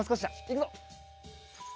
いくぞ。